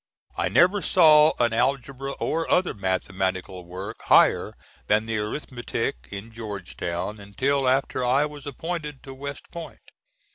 I never saw an algebra, or other mathematical work higher than the arithmetic, in Georgetown, until after I was appointed to West Point.